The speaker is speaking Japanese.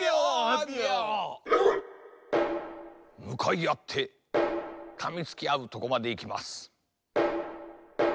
むかいあってかみつきあうとこまでいきます。